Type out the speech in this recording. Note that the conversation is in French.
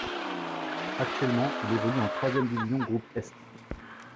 Actuellement, il évolue en troisième division groupe est.